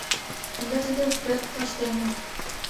Ынде тудо пӧрт тоштемын.